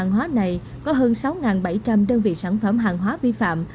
hàng hóa này có hơn sáu bảy trăm linh đơn vị sản phẩm hàng hóa vi phạm